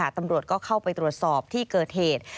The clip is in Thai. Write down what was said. ตำรวจก็เข้าไปตรวจสอบที่เกิดเหตุ